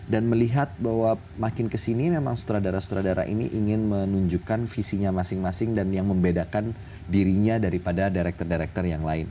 dan melihat bahwa makin kesini memang sutradara sutradara ini ingin menunjukkan visinya masing masing dan yang membedakan dirinya daripada director director yang lain